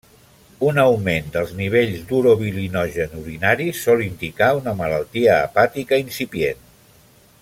Un augment dels nivells d'urobilinogen urinari sol indicar una malaltia hepàtica incipient.